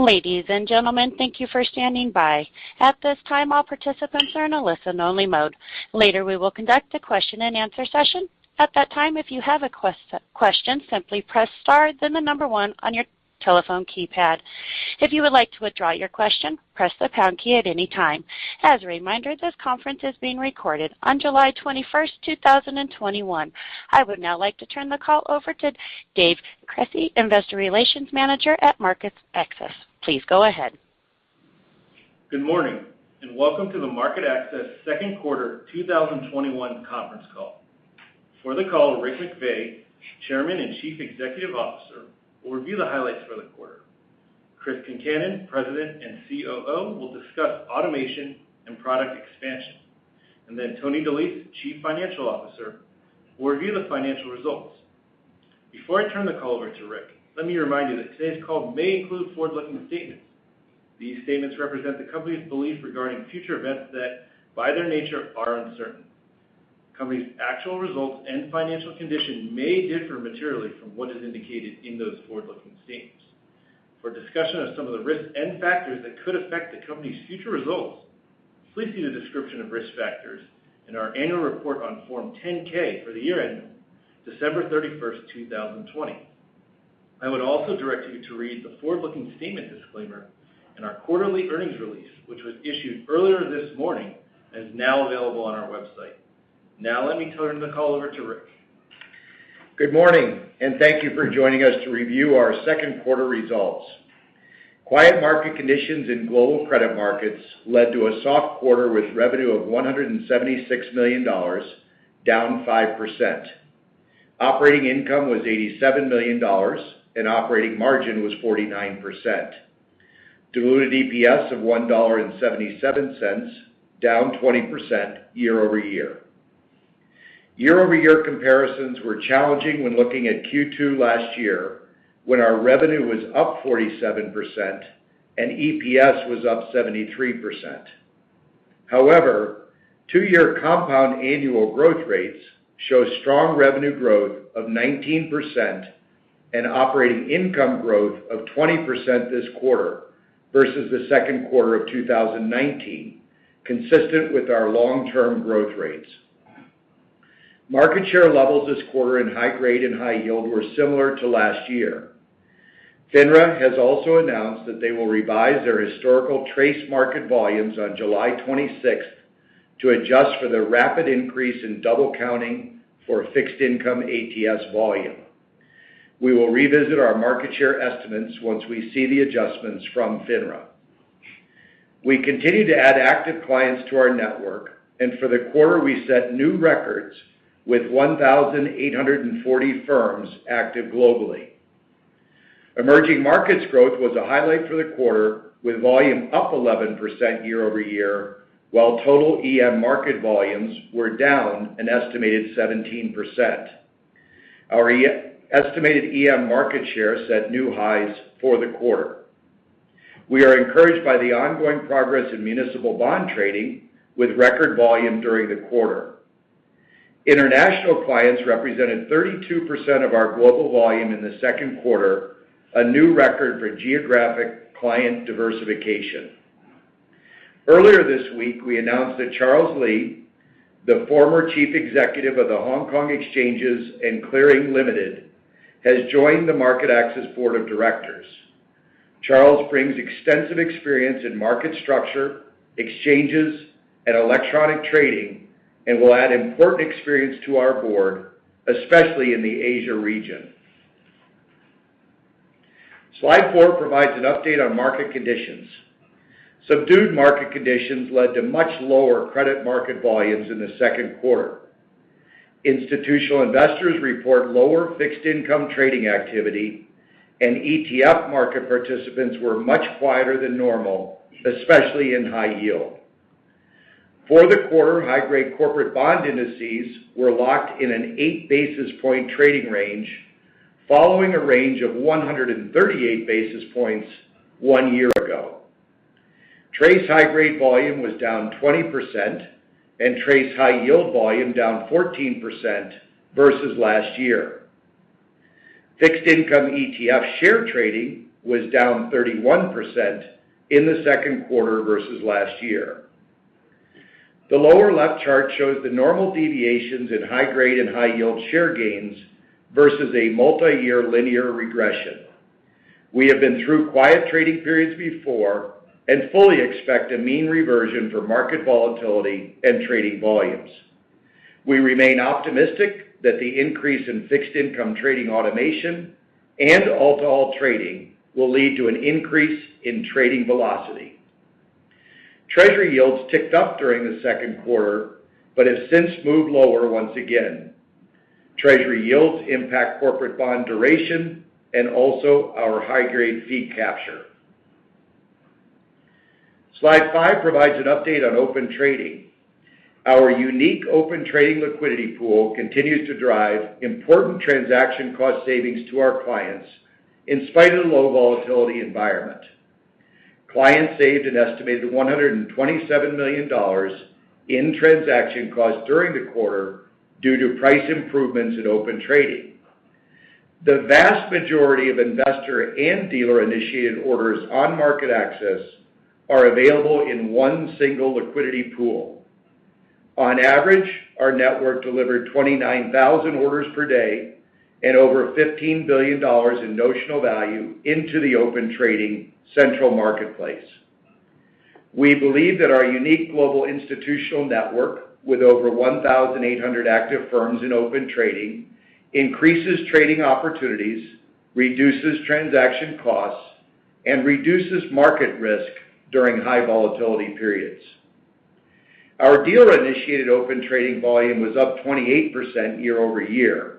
Ladies and gentlemen, thank you for standing by. At this time, all participants are in a listen-only mode. Later, we will conduct the question and answer session. At that time, if you have a question, simply press star then the number one on your telephone keypad. If you would like to withdraw your question, press the pound key at any time. As a reminder, this conference is being recorded on July 21st, 2021. I would now like to turn the call over to Dave Cresci, Investor Relations Manager at MarketAxess. Please go ahead. Good morning, and welcome to the MarketAxess second quarter 2021 conference call. For the call, Rick McVey, Chairman and Chief Executive Officer, will review the highlights for the quarter. Chris Concannon, President and COO, will discuss automation and product expansion. Then Tony DeLise, Chief Financial Officer, will review the financial results. Before I turn the call over to Rick, let me remind you that today's call may include forward-looking statements. These statements represent the company's belief regarding future events that, by their nature, are uncertain. Company's actual results and financial condition may differ materially from what is indicated in those forward-looking statements. For a discussion of some of the risks and factors that could affect the company's future results, please see the description of risk factors in our annual report on Form 10-K for the year ended December 31st, 2020. I would also direct you to read the forward-looking statement disclaimer in our quarterly earnings release, which was issued earlier this morning and is now available on our website. Now let me turn the call over to Rick. Good morning, and thank you for joining us to review our second quarter results. Quiet market conditions in global credit markets led to a soft quarter with revenue of $176 million, down 5%. Operating income was $87 million, and operating margin was 49%. Diluted EPS of $1.77, down 20% year-over-year. Year-over-year comparisons were challenging when looking at Q2 last year, when our revenue was up 47% and EPS was up 73%. However, two year compound annual growth rates show strong revenue growth of 19% and operating income growth of 20% this quarter versus the second quarter of 2019, consistent with our long-term growth rates. Market share levels this quarter in high grade and high yield were similar to last year. FINRA has also announced that they will revise their historical TRACE market volumes on July 26th to adjust for the rapid increase in double counting for fixed income ATS volume. We will revisit our market share estimates once we see the adjustments from FINRA. We continue to add active clients to our network, and for the quarter, we set new records with 1,840 firms active globally. Emerging markets growth was a highlight for the quarter, with volume up 11% year-over-year, while total EM market volumes were down an estimated 17%. Our estimated EM market share set new highs for the quarter. We are encouraged by the ongoing progress in municipal bond trading with record volume during the quarter. International clients represented 32% of our global volume in the second quarter, a new record for geographic client diversification. Earlier this week, we announced that Charles Li, the former chief executive of the Hong Kong Exchanges and Clearing Limited, has joined the MarketAxess board of directors. Charles brings extensive experience in market structure, exchanges, and electronic trading, and will add important experience to our board, especially in the Asia region. Slide four provides an update on market conditions. Subdued market conditions led to much lower credit market volumes in the second quarter. Institutional investors report lower fixed income trading activity, and ETF market participants were much quieter than normal, especially in high yield. For the quarter, high grade corporate bond indices were locked in an 8 basis point trading range, following a range of 138 basis points one year ago. TRACE high-grade volume was down 20%, and TRACE high-yield volume down 14% versus last year. Fixed income ETF share trading was down 31% in the second quarter versus last year. The lower left chart shows the normal deviations in high-grade and high-yield share gains versus a multi-year linear regression. We have been through quiet trading periods before and fully expect a mean reversion for market volatility and trading volumes. We remain optimistic that the increase in fixed income trading automation and all-to-all trading will lead to an increase in trading velocity. Treasury yields ticked up during the second quarter but have since moved lower once again. Treasury yields impact corporate bond duration and also our high-grade fee capture. Slide five provides an update on Open Trading. Our unique Open Trading liquidity pool continues to drive important transaction cost savings to our clients in spite of the low volatility environment. Clients saved an estimated $127 million in transaction costs during the quarter due to price improvements in Open Trading. The vast majority of investor and dealer-initiated orders on MarketAxess are available in one single liquidity pool. On average, our network delivered 29,000 orders per day and over $15 billion in notional value into the Open Trading central marketplace. We believe that our unique global institutional network, with over 1,800 active firms in Open Trading, increases trading opportunities, reduces transaction costs, and reduces market risk during high volatility periods. Our dealer-initiated Open Trading volume was up 28% year-over-year.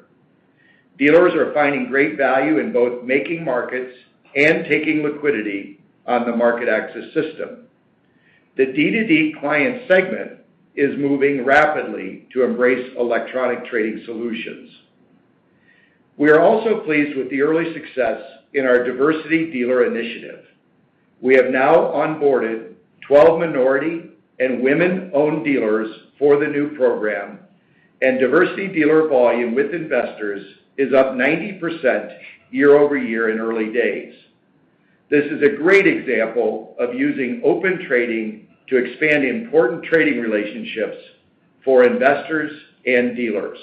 Dealers are finding great value in both making markets and taking liquidity on the MarketAxess system. The D2D client segment is moving rapidly to embrace electronic trading solutions. We are also pleased with the early success in our diversity dealer initiative. We have now onboarded 12 minority and women-owned dealers for the new program, and diversity dealer volume with investors is up 90% year-over-year in early days. This is a great example of using Open Trading to expand important trading relationships for investors and dealers.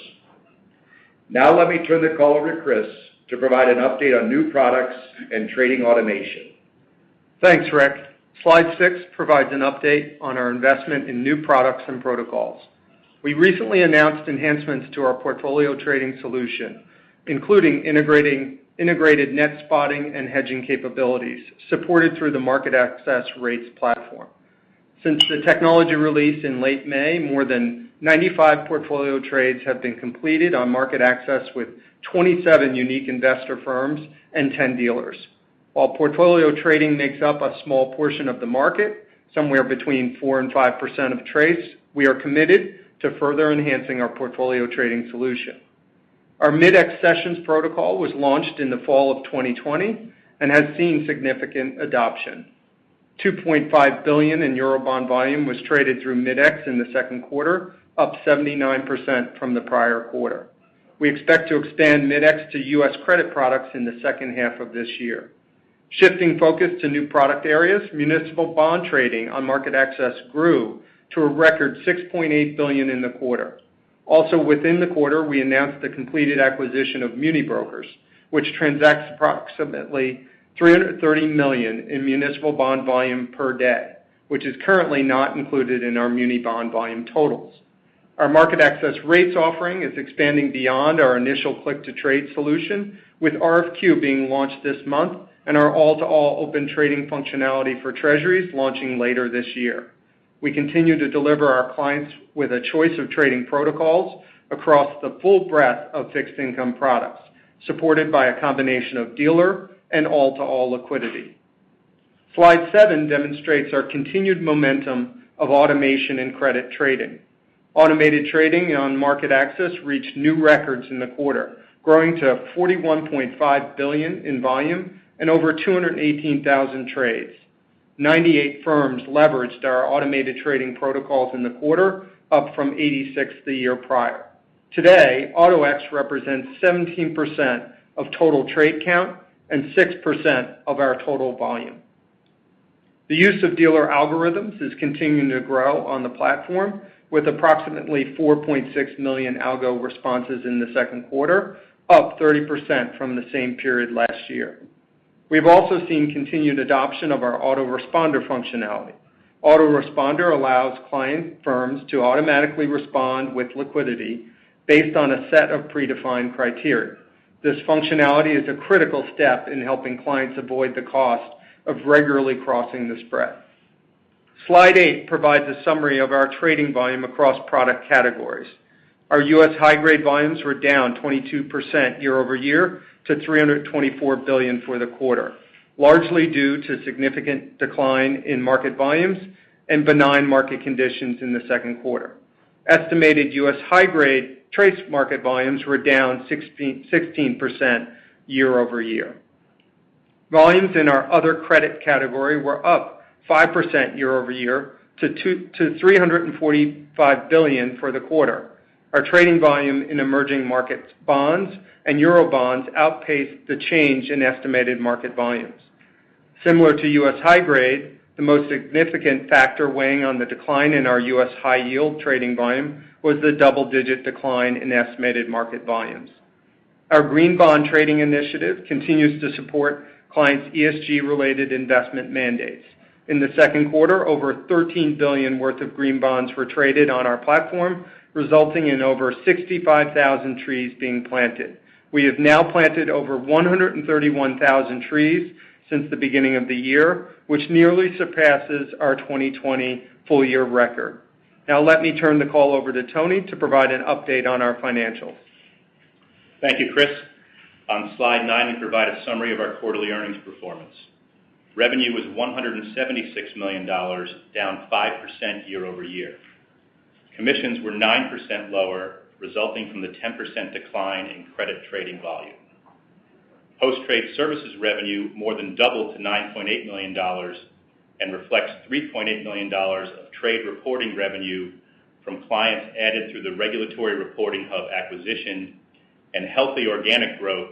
Let me turn the call over to Chris to provide an update on new products and trading automation. Thanks, Rick. Slide six provides an update on our investment in new products and protocols. We recently announced enhancements to our portfolio trading solution, including integrated net spotting and hedging capabilities supported through the MarketAxess rates platform. Since the technology release in late May, more than 95 portfolio trades have been completed on MarketAxess, with 27 unique investor firms and 10 dealers. While portfolio trading makes up a small portion of the market, somewhere between 4% and 5% of trades, we are committed to further enhancing our portfolio trading solution. Our Mid-X sessions protocol was launched in the fall of 2020 and has seen significant adoption. $2.5 billion in Eurobond volume was traded through Mid-X in the second quarter, up 79% from the prior quarter. We expect to expand Mid-X to U.S. credit products in the second half of this year. Shifting focus to new product areas, municipal bond trading on MarketAxess grew to a record $6.8 billion in the quarter. Also within the quarter, we announced the completed acquisition of MuniBrokers, which transacts approximately $330 million in municipal bond volume per day, which is currently not included in our muni bond volume totals. Our MarketAxess rates offering is expanding beyond our initial click-to-trade solution, with RFQ being launched this month and our all-to-all Open Trading functionality for Treasuries launching later this year. We continue to deliver our clients with a choice of trading protocols across the full breadth of fixed income products, supported by a combination of dealer and all-to-all liquidity. Slide seven demonstrates our continued momentum of automation and credit trading. Automated trading on MarketAxess reached new records in the quarter, growing to $41.5 billion in volume and over 218,000 trades. 98 firms leveraged our automated trading protocols in the quarter, up from 86 the year prior. Today, Auto-X represents 17% of total trade count and 6% of our total volume. The use of dealer algorithms is continuing to grow on the platform, with approximately 4.6 million algo responses in the second quarter, up 30% from the same period last year. We've also seen continued adoption of our Auto-Responder functionality. Auto-Responder allows client firms to automatically respond with liquidity based on a set of predefined criteria. This functionality is a critical step in helping clients avoid the cost of regularly crossing the spread. Slide eight provides a summary of our trading volume across product categories. Our U.S. high-grade volumes were down 22% year-over-year to $324 billion for the quarter, largely due to a significant decline in market volumes and benign market conditions in the second quarter. Estimated U.S. high-grade trades market volumes were down 16% year-over-year. Volumes in our other credit category were up 5% year-over-year to $345 billion for the quarter. Our trading volume in emerging markets bonds and Eurobonds outpaced the change in estimated market volumes. Similar to U.S. high grade, the most significant factor weighing on the decline in our U.S. high-yield trading volume was the double-digit decline in estimated market volumes. Our green bond trading initiative continues to support clients' ESG-related investment mandates. In the second quarter, over $13 billion worth of green bonds were traded on our platform, resulting in over 65,000 trees being planted. We have now planted over 131,000 trees since the beginning of the year, which nearly surpasses our 2020 full-year record. Let me turn the call over to Tony to provide an update on our financials. Thank you, Chris. On slide nine, we provide a summary of our quarterly earnings performance. Revenue was $176 million, down 5% year-over-year. Commissions were 9% lower, resulting from the 10% decline in credit trading volume. Post-trade services revenue more than doubled to $9.8 million and reflects $3.8 million of trade reporting revenue from clients added through the Regulatory Reporting Hub acquisition and healthy organic growth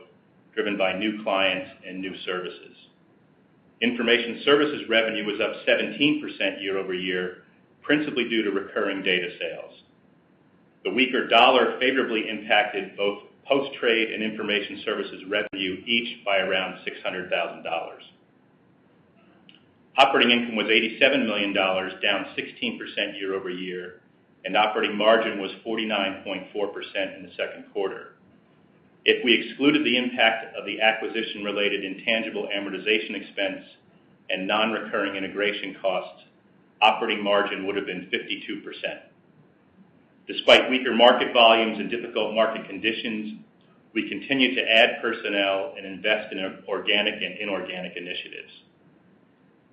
driven by new clients and new services. Information services revenue was up 17% year-over-year, principally due to recurring data sales. The weaker dollar favorably impacted both post-trade and information services revenue, each by around $600,000. Operating income was $87 million, down 16% year-over-year, and operating margin was 49.4% in the second quarter. If we excluded the impact of the acquisition-related intangible amortization expense and non-recurring integration costs, operating margin would have been 52%. Despite weaker market volumes and difficult market conditions, we continued to add personnel and invest in organic and inorganic initiatives.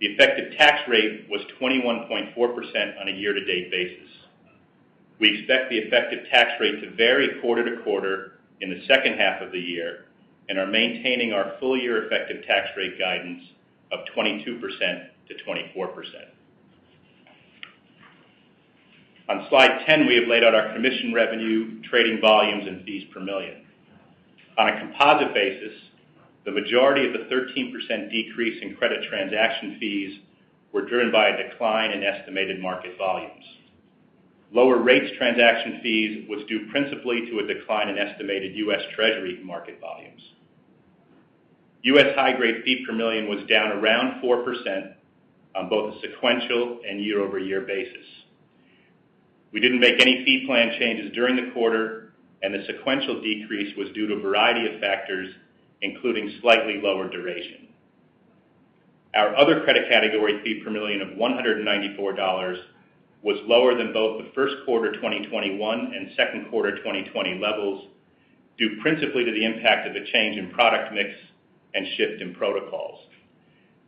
The effective tax rate was 21.4% on a year-to-date basis. We expect the effective tax rate to vary quarter-to-quarter in the second half of the year and are maintaining our full-year effective tax rate guidance of 22%-24%. On slide 10, we have laid out our commission revenue, trading volumes, and fees per million. On a composite basis, the majority of the 13% decrease in credit transaction fees were driven by a decline in estimated market volumes. Lower rates transaction fees was due principally to a decline in estimated U.S. Treasury market volumes. U.S. high-grade fee per million was down around 4% on both a sequential and year-over-year basis. We didn't make any fee plan changes during the quarter, and the sequential decrease was due to a variety of factors, including slightly lower duration. Our other credit category fee per million of $194 was lower than both the first quarter 2021 and second quarter 2020 levels, due principally to the impact of a change in product mix and shift in protocols.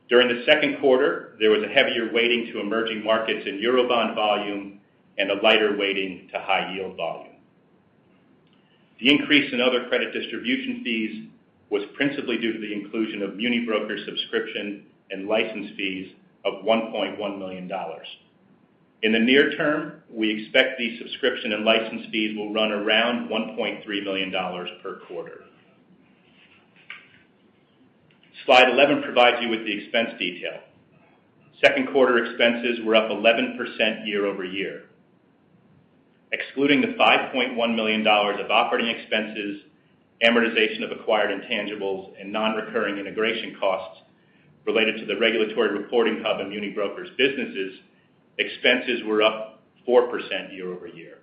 During the second quarter, there was a heavier weighting to emerging markets in Eurobond volume and a lighter weighting to high-yield volume. The increase in other credit distribution fees was principally due to the inclusion of MuniBrokers subscription and license fees of $1.1 million. In the near term, we expect the subscription and license fees will run around $1.3 million per quarter. Slide 11 provides you with the expense detail. Second quarter expenses were up 11% year-over-year. Excluding the $5.1 million of operating expenses, amortization of acquired intangibles, and non-recurring integration costs related to the Regulatory Reporting Hub and MuniBrokers businesses, expenses were up 4% year-over-year.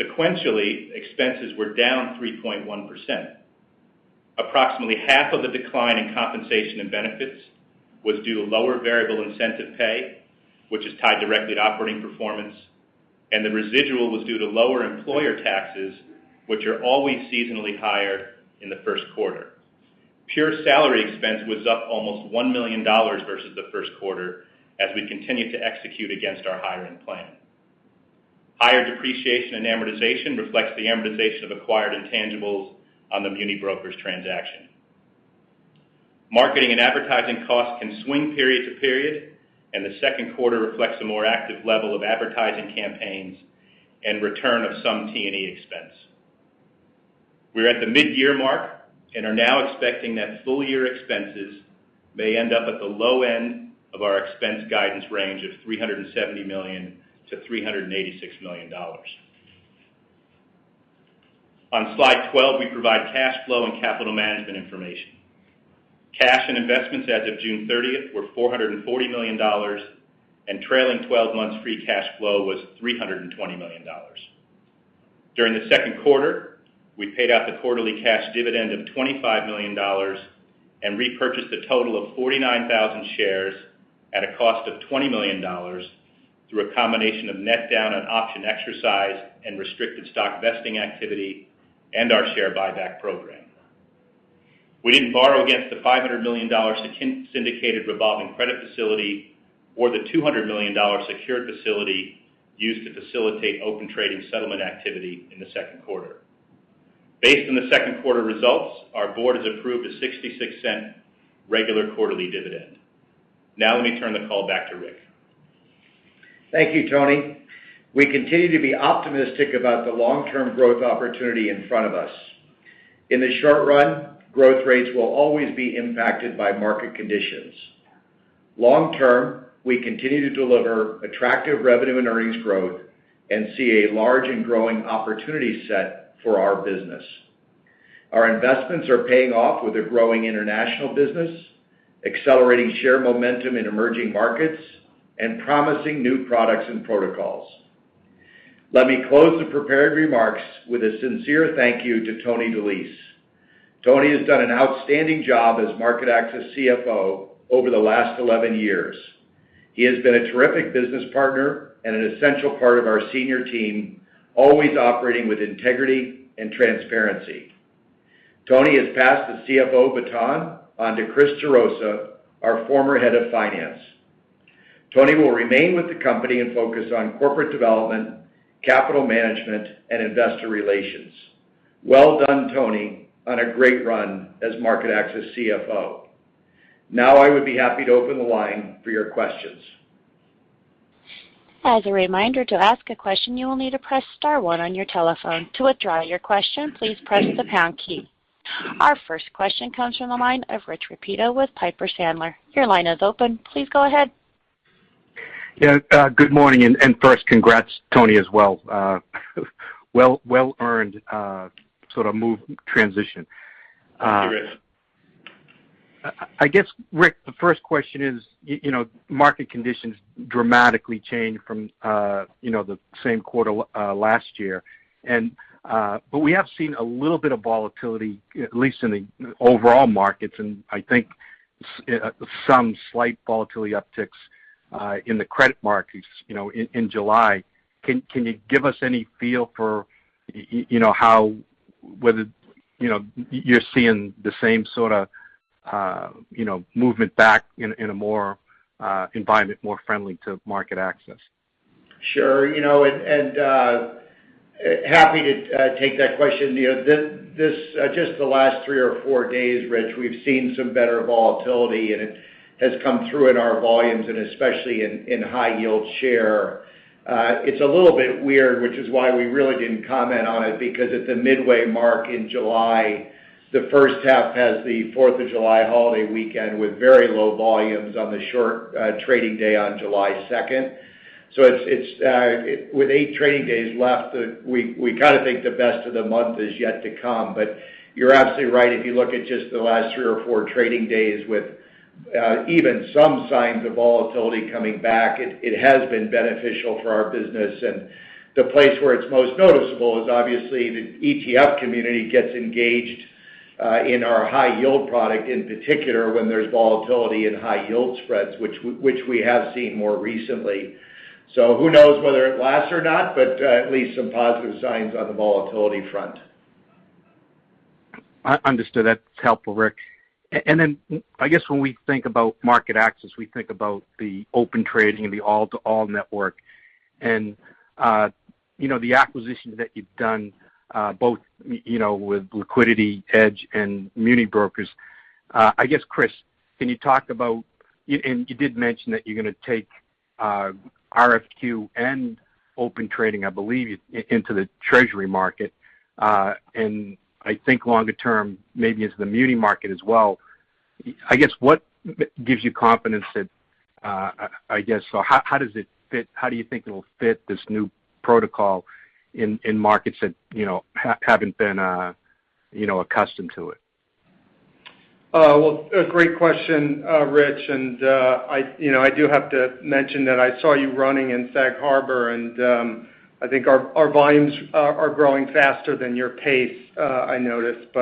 Sequentially, expenses were down 3.1%. Approximately half of the decline in compensation and benefits was due to lower variable incentive pay, which is tied directly to operating performance, and the residual was due to lower employer taxes, which are always seasonally higher in the first quarter. Pure salary expense was up almost $1 million versus the first quarter as we continued to execute against our hiring plan. Higher depreciation and amortization reflects the amortization of acquired intangibles on the MuniBrokers transaction. Marketing and advertising costs can swing period-to-period, and the second quarter reflects a more active level of advertising campaigns and return of some T&E expense. We're at the mid-year mark and are now expecting that full-year expenses may end up at the low end of our expense guidance range of $370 million-$386 million. On slide 12, we provide cash flow and capital management information. Cash and investments as of June 30th were $440 million, and trailing 12 months free cash flow was $320 million. During the second quarter, we paid out the quarterly cash dividend of $25 million and repurchased a total of 49,000 shares at a cost of $20 million through a combination of net down on option exercise and restricted stock vesting activity and our share buyback program. We didn't borrow against the $500 million syndicated revolving credit facility or the $200 million secured facility used to facilitate Open Trading settlement activity in the second quarter. Based on the second quarter results, our board has approved a $0.66 regular quarterly dividend. Now, let me turn the call back to Rick. Thank you, Tony. We continue to be optimistic about the long-term growth opportunity in front of us. In the short run, growth rates will always be impacted by market conditions. Long term, we continue to deliver attractive revenue and earnings growth and see a large and growing opportunity set for our business. Our investments are paying off with a growing international business, accelerating share momentum in emerging markets, and promising new products and protocols. Let me close the prepared remarks with a sincere thank you to Tony DeLise. Tony has done an outstanding job as MarketAxess CFO over the last 11 years. He has been a terrific business partner and an essential part of our senior team, always operating with integrity and transparency. Tony has passed the CFO baton on to Chris Gerosa, our former head of finance. Tony will remain with the company and focus on corporate development, capital management, and investor relations. Well done, Tony, on a great run as MarketAxess CFO. I would be happy to open the line for your questions. As a reminder, to ask a question, you will need to press star one on your telephone. To withdraw your question, please press the pound key. Our first question comes from the line of Rich Repetto with Piper Sandler. Your line is open. Please go ahead. Yeah. Good morning. First, congrats, Tony, as well. Well earned sort of transition. Thank you, Rich. I guess, Rick, the first question is, market conditions dramatically changed from the same quarter last year. We have seen a little bit of volatility, at least in the overall markets, and I think some slight volatility upticks, in the credit markets in July. Can you give us any feel for whether you're seeing the same sort of movement back in an environment more friendly to MarketAxess? Sure. Happy to take that question. Just the last three or four days, Rich, we've seen some better volatility, and it has come through in our volumes and especially in high yield share. It's a little bit weird, which is why we really didn't comment on it, because at the midway mark in July, the first half has the 4th of July holiday weekend with very low volumes on the short trading day on July 2nd. With eight trading days left, we kind of think the best of the month is yet to come. You're absolutely right. If you look at just the last three or four trading days with even some signs of volatility coming back, it has been beneficial for our business. The place where it's most noticeable is obviously the ETF community gets engaged, in our high yield product in particular when there's volatility in high yield spreads, which we have seen more recently. Who knows whether it lasts or not, but at least some positive signs on the volatility front. Understood. That's helpful, Rick. I guess when we think about MarketAxess, we think about the Open Trading and the all-to-all network. The acquisitions that you've done, both with LiquidityEdge and MuniBrokers. I guess, Chris, you did mention that you're going to take RFQ and Open Trading, I believe, into the Treasury market. I think longer term, maybe into the Muni market as well. I guess, how do you think it'll fit this new protocol in markets that haven't been accustomed to it? Well, a great question, Rich, and I do have to mention that I saw you running in Sag Harbor, and I think our volumes are growing faster than your pace, I noticed.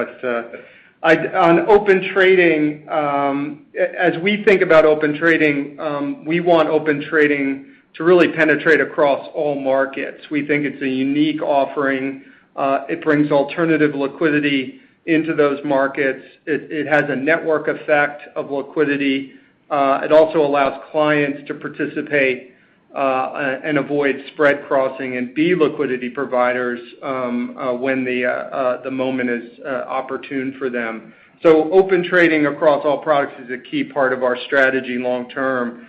On Open Trading, as we think about Open Trading, we want Open Trading to really penetrate across all markets. We think it's a unique offering. It brings alternative liquidity into those markets. It has a network effect of liquidity. It also allows clients to participate, and avoid spread crossing and be liquidity providers when the moment is opportune for them. Open Trading across all products is a key part of our strategy long term.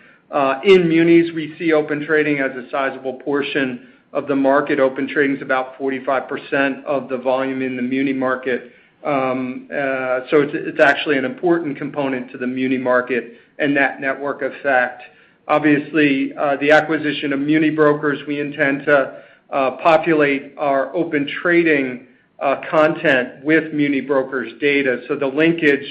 In munis, we see Open Trading as a sizable portion of the market. Open Trading's about 45% of the volume in the muni market. It's actually an important component to the muni market and that network effect. Obviously, the acquisition of MuniBrokers, we intend to populate our Open Trading content with MuniBrokers' data. The linkage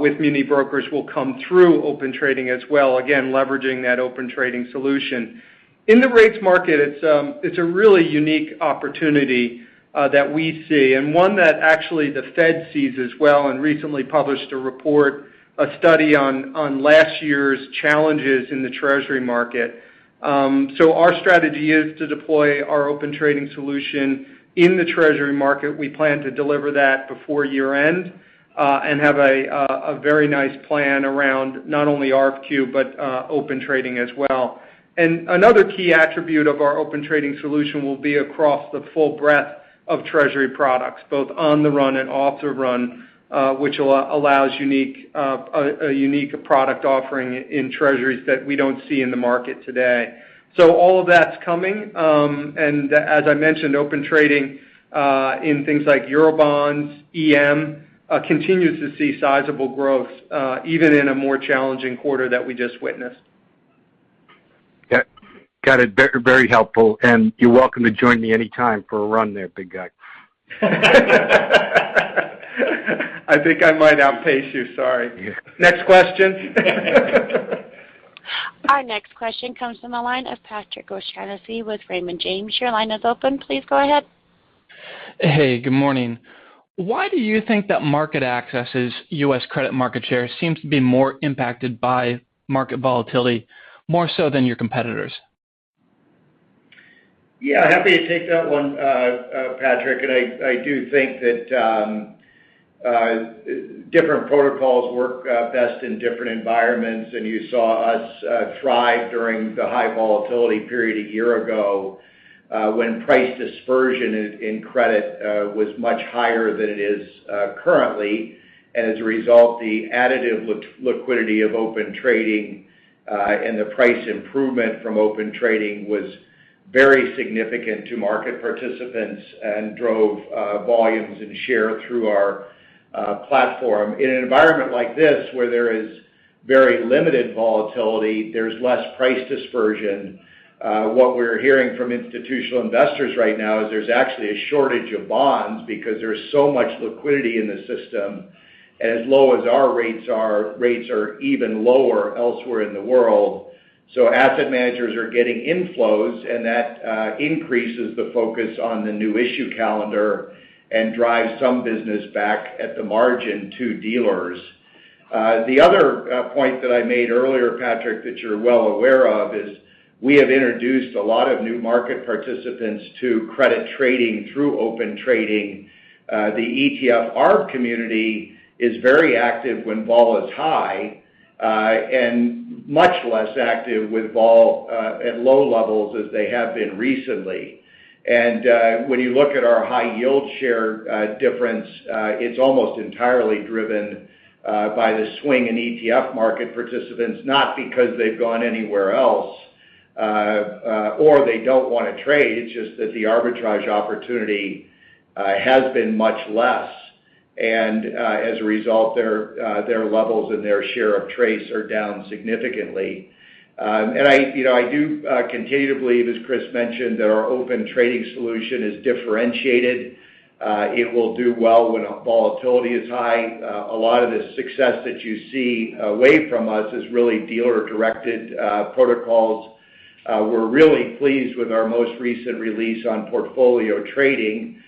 with MuniBrokers will come through Open Trading as well, again, leveraging that Open Trading solution. In the rates market, it's a really unique opportunity that we see and one that actually the Fed sees as well and recently published a report, a study on last year's challenges in the Treasury market. Our strategy is to deploy our Open Trading solution in the Treasury market. We plan to deliver that before year-end, and have a very nice plan around not only RFQ, but Open Trading as well. Another key attribute of our Open Trading solution will be across the full breadth of Treasury products, both on the run and off the run, which allows a unique product offering in Treasuries that we don't see in the market today. All of that's coming. As I mentioned, Open Trading, in things like Euro bonds, EM, continues to see sizable growth, even in a more challenging quarter that we just witnessed. Yeah. Got it. Very helpful. You're welcome to join me anytime for a run there, big guy. I think I might outpace you, sorry. Next question. Our next question comes from the line of Patrick O'Shaughnessy with Raymond James. Your line is open. Please go ahead. Hey, good morning. Why do you think that MarketAxess' U.S. credit market share seems to be more impacted by market volatility, more so than your competitors? Yeah, happy to take that one, Patrick. I do think that different protocols work best in different environments. You saw us thrive during the high volatility period a year ago, when price dispersion in credit was much higher than it is currently. As a result, the additive liquidity of Open Trading and the price improvement from Open Trading was very significant to market participants and drove volumes and share through our platform. In an environment like this, where there is very limited volatility, there's less price dispersion. What we're hearing from institutional investors right now is there's actually a shortage of bonds because there's so much liquidity in the system. As low as our rates are, rates are even lower elsewhere in the world. Asset managers are getting inflows, and that increases the focus on the new issue calendar and drives some business back at the margin to dealers. The other point that I made earlier, Patrick, that you're well aware of, is we have introduced a lot of new market participants to credit trading through Open Trading. The ETF arb community is very active when vol is high, and much less active at low levels as they have been recently. When you look at our high yield share difference, it's almost entirely driven by the swing in ETF market participants, not because they've gone anywhere else or they don't want to trade. It's just that the arbitrage opportunity has been much less. As a result, their levels and their share of trades are down significantly. I do continue to believe, as Chris mentioned, that our Open Trading solution is differentiated. It will do well when volatility is high. A lot of the success that you see away from us is really dealer-directed protocols. We're really pleased with our most recent release on portfolio trading.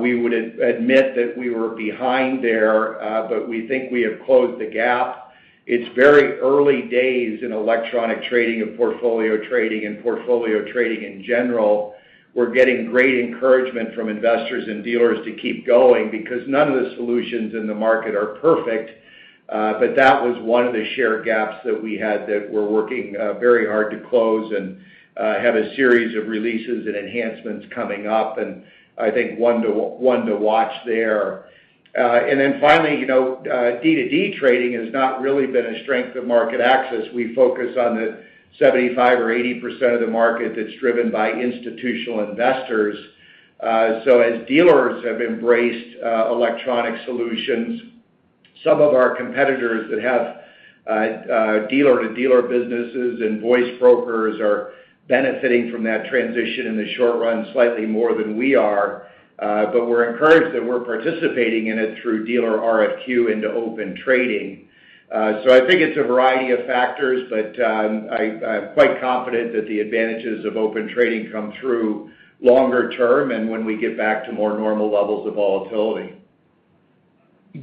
We would admit that we were behind there, but we think we have closed the gap. It's very early days in electronic trading and portfolio trading in general. We're getting great encouragement from investors and dealers to keep going because none of the solutions in the market are perfect. That was one of the share gaps that we had that we're working very hard to close and have a series of releases and enhancements coming up, and I think one to watch there. Finally, D2D trading has not really been a strength of MarketAxess. We focus on the 75% or 80% of the market that's driven by institutional investors. As dealers have embraced electronic solutions, some of our competitors that have dealer-to-dealer businesses and voice brokers are benefiting from that transition in the short run slightly more than we are. We're encouraged that we're participating in it through dealer RFQ into Open Trading. I think it's a variety of factors, but I'm quite confident that the advantages of Open Trading come through longer term and when we get back to more normal levels of volatility.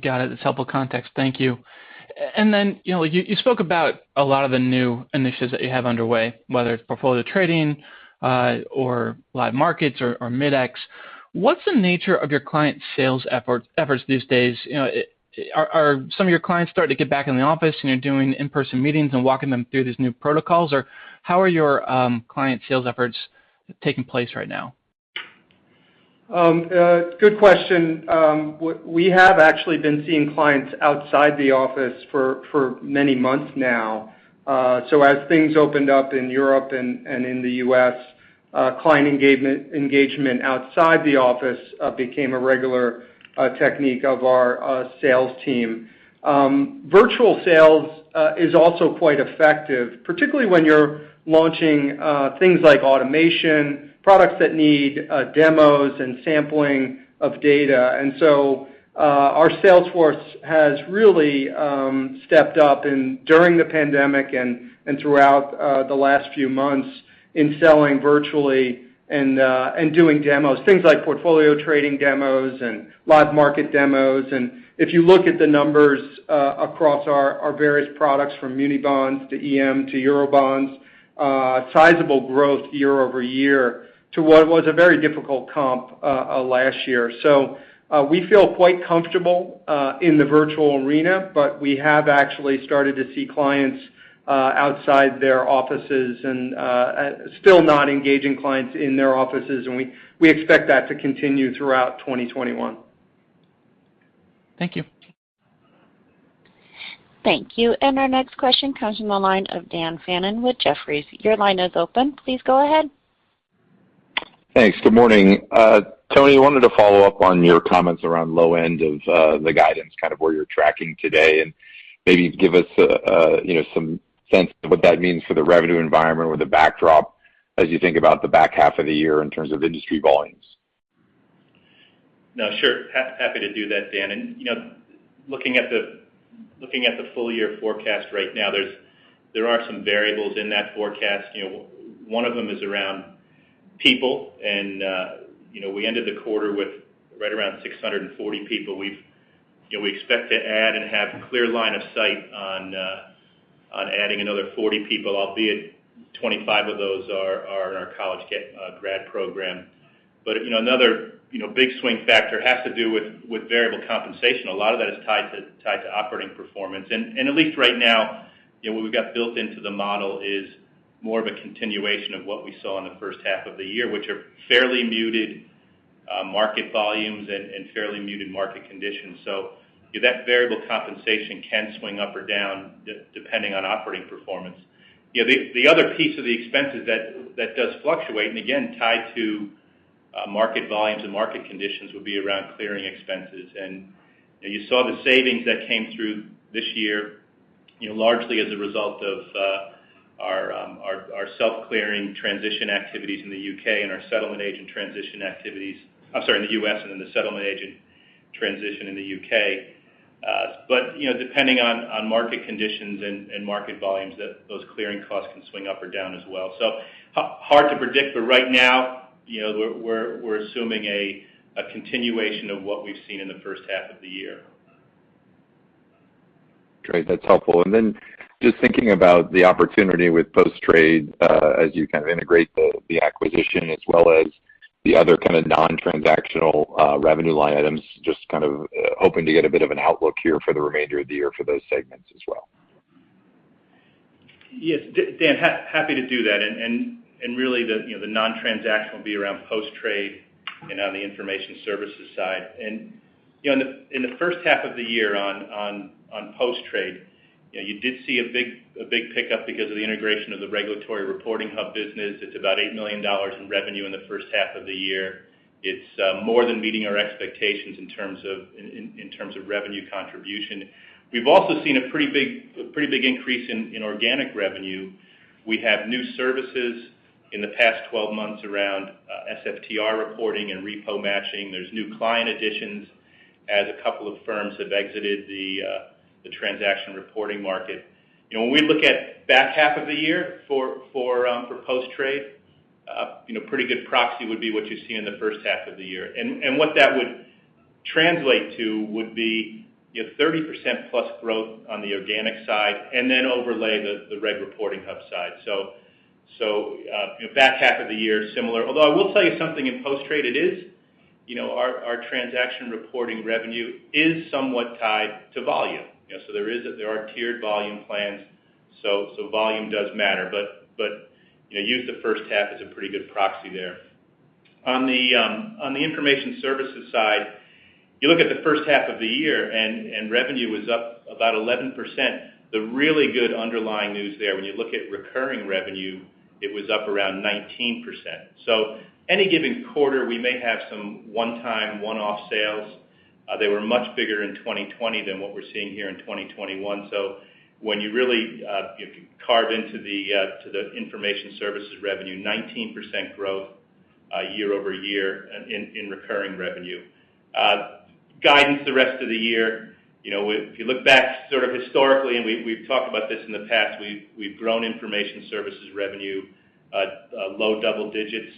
Got it. That's helpful context. Thank you. Then, you spoke about a lot of the new initiatives that you have underway, whether it's portfolio trading or Live Markets or Mid-X. What's the nature of your client sales efforts these days? Are some of your clients starting to get back in the office, and you're doing in-person meetings and walking them through these new protocols, or how are your client sales efforts taking place right now? Good question. We have actually been seeing clients outside the office for many months now. As things opened up in Europe and in the U.S., client engagement outside the office became a regular technique of our sales team. Virtual sales is also quite effective, particularly when you're launching things like automation, products that need demos and sampling of data. Our sales force has really stepped up during the pandemic and throughout the last few months in selling virtually and doing demos, things like portfolio trading demos and live market demos. If you look at the numbers across our various products, from muni bonds to EM to Eurobonds, sizable growth year-over-year to what was a very difficult comp last year. We feel quite comfortable in the virtual arena, but we have actually started to see clients outside their offices and still not engaging clients in their offices, and we expect that to continue throughout 2021. Thank you. Thank you. Our next question comes from the line of Dan Fannon with Jefferies. Your line is open. Please go ahead. Thanks. Good morning. Tony, I wanted to follow up on your comments around low end of the guidance, kind of where you're tracking today, and maybe give us some sense of what that means for the revenue environment or the backdrop as you think about the back half of the year in terms of industry volumes? No, sure. Happy to do that, Dan. Looking at the full-year forecast right now, there are some variables in that forecast. One of them is around people, and we ended the quarter with right around 640 people. We expect to add and have clear line of sight on On adding another 40 people, albeit 25 of those are in our college grad program. Another big swing factor has to do with variable compensation. A lot of that is tied to operating performance. At least right now, what we've got built into the model is more of a continuation of what we saw in the first half of the year, which are fairly muted market volumes and fairly muted market conditions. That variable compensation can swing up or down depending on operating performance. The other piece of the expenses that does fluctuate, and again, tied to market volumes and market conditions, would be around clearing expenses. You saw the savings that came through this year, largely as a result of our self-clearing transition activities in the U.K. and our settlement agent transition activities, I'm sorry, in the U.S., and then the settlement agent transition in the U.K. Depending on market conditions and market volumes, those clearing costs can swing up or down as well. Hard to predict, but right now, we're assuming a continuation of what we've seen in the first half of the year. Great. That's helpful. Just thinking about the opportunity with Post-Trade, as you kind of integrate the acquisition as well as the other kind of non-transactional revenue line items, just kind of hoping to get a bit of an outlook here for the remainder of the year for those segments as well. Yes. Dan, happy to do that. Really, the non-transactional will be around Post-Trade and on the Information Services side. In the first half of the year on Post-Trade, you did see a big pickup because of the integration of the Regulatory Reporting Hub business. It's about $8 million in revenue in the first half of the year. It's more than meeting our expectations in terms of revenue contribution. We've also seen a pretty big increase in organic revenue. We have new services in the past 12 months around SFTR reporting and repo matching. There's new client additions as a couple of firms have exited the transaction reporting market. When we look at the back half of the year for Post-Trade, pretty good proxy would be what you see in the first half of the year. What that would translate to would be 30%+ growth on the organic side and then overlay the Regulatory Reporting Hub side. Back half of the year is similar. Although, I will tell you something in Post-Trade, our transaction reporting revenue is somewhat tied to volume. There are tiered volume plans, so volume does matter. Use the first half as a pretty good proxy there. On the Information Services side, you look at the first half of the year, and revenue was up about 11%. The really good underlying news there, when you look at recurring revenue, it was up around 19%. Any given quarter, we may have some one-time, one-off sales. They were much bigger in 2020 than what we're seeing here in 2021. When you really carve into the Information Services revenue, 19% growth year-over-year in recurring revenue. Guidance the rest of the year, if you look back sort of historically, and we've talked about this in the past, we've grown Information Services revenue low double digits.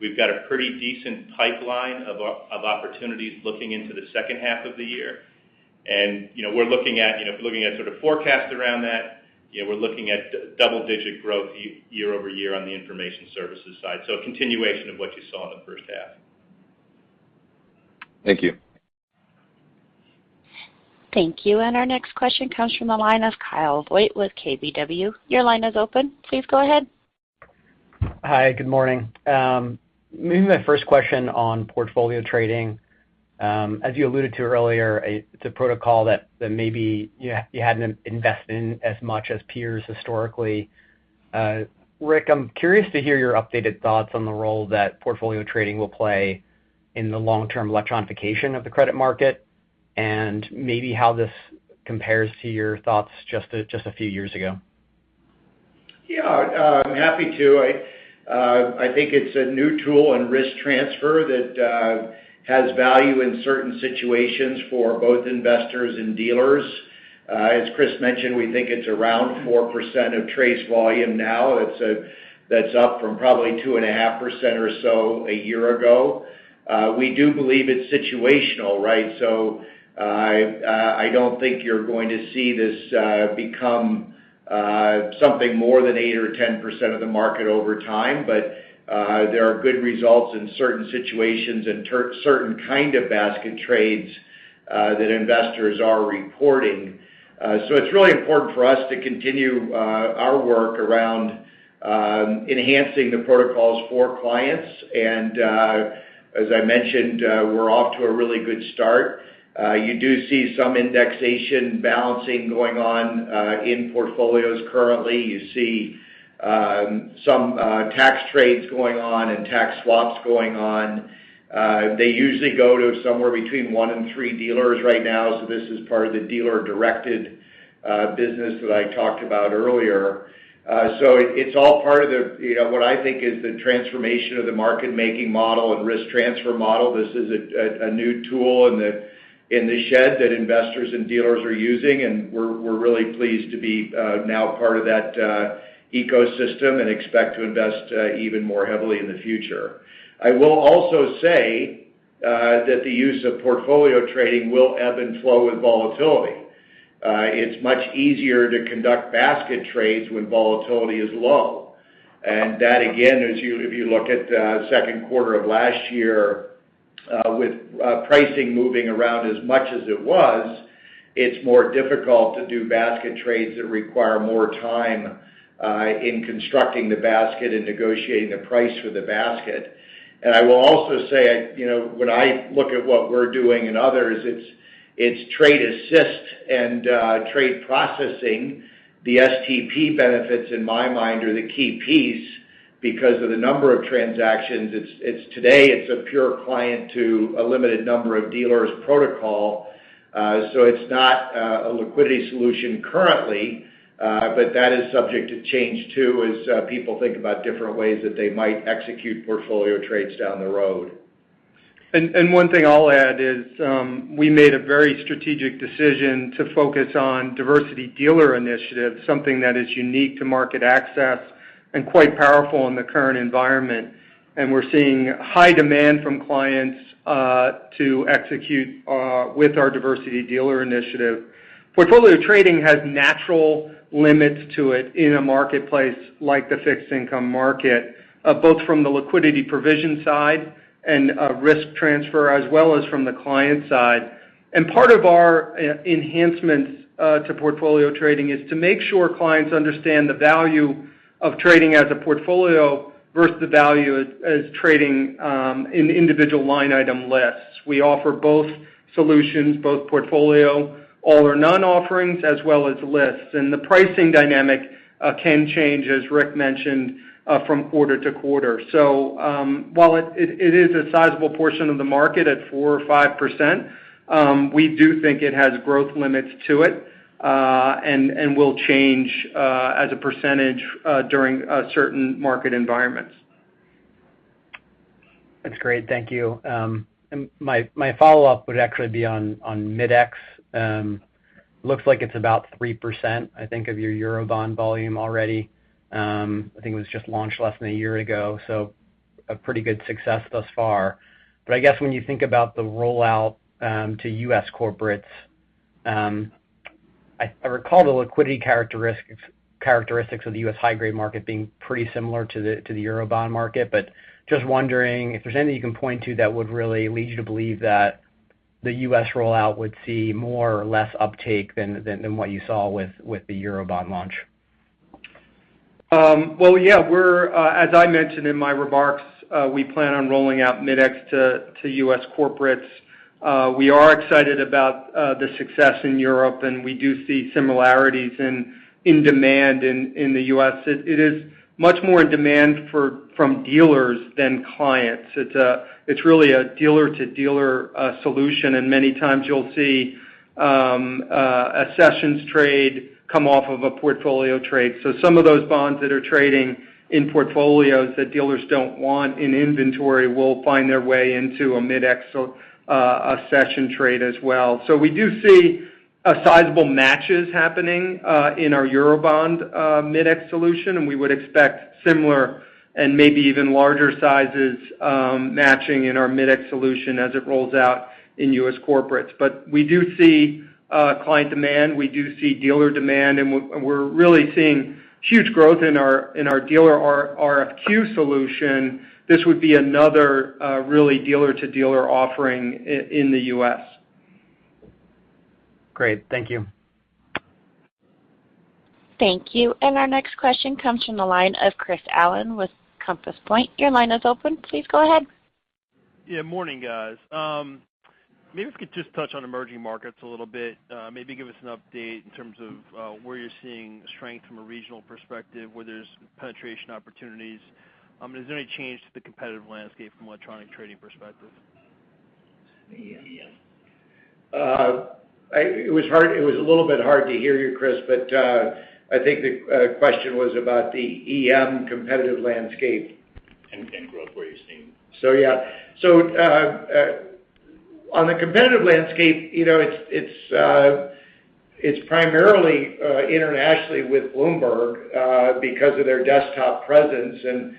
We've got a pretty decent pipeline of opportunities looking into the second half of the year. We're looking at sort of forecast around that. We're looking at double-digit growth year-over-year on the Information Services side. A continuation of what you saw in the first half. Thank you. Thank you. Our next question comes from the line of Kyle Voigt with KBW. Your line is open. Please go ahead. Hi. Good morning. Maybe my first question on portfolio trading. As you alluded to earlier, it's a protocol that maybe you hadn't invested in as much as peers historically. Rick, I'm curious to hear your updated thoughts on the role that portfolio trading will play in the long-term electronification of the credit market, and maybe how this compares to your thoughts just a few years ago. Yeah. I'm happy to. I think it's a new tool in risk transfer that has value in certain situations for both investors and dealers. As Chris mentioned, we think it's around 4% of trade's volume now. That's up from probably 2.5% or so a year ago. We do believe it's situational, right? I don't think you're going to see this become something more than 8% or 10% of the market over time. But there are good results in certain situations and certain kind of basket trades that investors are reporting. It's really important for us to continue our work around enhancing the protocols for clients. As I mentioned, we're off to a really good start. You do see some indexation balancing going on in portfolios currently. You see some tax trades going on and tax swaps going on. They usually go to somewhere between one and three dealers right now, this is part of the dealer-directed business that I talked about earlier. It's all part of what I think is the transformation of the market-making model and risk transfer model. This is a new tool in the shed that investors and dealers are using, and we're really pleased to be now part of that ecosystem and expect to invest even more heavily in the future. I will also say that the use of portfolio trading will ebb and flow with volatility. It's much easier to conduct basket trades when volatility is low. That, again, if you look at the second quarter of last year, with pricing moving around as much as it was, it's more difficult to do basket trades that require more time in constructing the basket and negotiating the price for the basket. I will also say, when I look at what we're doing and others, it's trade assist and trade processing. The STP benefits, in my mind, are the key piece because of the number of transactions. Today, it's a pure client to a limited number of dealers protocol. It's not a liquidity solution currently, but that is subject to change too, as people think about different ways that they might execute portfolio trades down the road. One thing I'll add is, we made a very strategic decision to focus on Diversity Dealer Initiatives, something that is unique to MarketAxess and quite powerful in the current environment. We're seeing high demand from clients to execute with our Diversity Dealer Initiative. Portfolio trading has natural limits to it in a marketplace like the fixed income market, both from the liquidity provision side and risk transfer, as well as from the client side. Part of our enhancements to portfolio trading is to make sure clients understand the value of trading as a portfolio versus the value as trading in individual line item lists. We offer both solutions, both portfolio all or none offerings, as well as lists. The pricing dynamic can change, as Rick mentioned, from quarter-to-quarter. While it is a sizable portion of the market at 4% or 5%, we do think it has growth limits to it, and will change as a percentage during certain market environments. That's great. Thank you. My follow-up would actually be on Mid-X. Looks like it's about 3%, I think, of your Eurobond volume already. I think it was just launched less than one year ago, so a pretty good success thus far. I guess when you think about the rollout to U.S. corporates, I recall the liquidity characteristics of the U.S. high-grade market being pretty similar to the Eurobond market, but just wondering if there's anything you can point to that would really lead you to believe that the U.S. rollout would see more or less uptake than what you saw with the Eurobond launch. Yeah. As I mentioned in my remarks, we plan on rolling out Mid-X to U.S. corporates. We are excited about the success in Europe, and we do see similarities in demand in the U.S. It is much more in demand from dealers than clients. It's really a dealer-to-dealer solution, and many times you'll see a sessions trade come off of a portfolio trade. Some of those bonds that are trading in portfolios that dealers don't want in inventory will find their way into a Mid-X session trade as well. We do see sizable matches happening in our Eurobond Mid-X solution, and we would expect similar and maybe even larger sizes matching in our Mid-X solution as it rolls out in U.S. corporates. We do see client demand, we do see dealer demand, and we're really seeing huge growth in our dealer RFQ solution. This would be another really dealer-to-dealer offering in the U.S. Great. Thank you. Thank you. Our next question comes from the line of Chris Allen with Compass Point. Your line is open. Please go ahead. Yeah. Morning, guys. Maybe if we could just touch on emerging markets a little bit. Maybe give us an update in terms of where you're seeing strength from a regional perspective, where there's penetration opportunities. Has there been any change to the competitive landscape from electronic trading perspective? It was a little bit hard to hear you, Chris, but I think the question was about the EM competitive landscape. Growth, where you're seeing. Yeah. On the competitive landscape, it's primarily internationally with Bloomberg because of their desktop presence, and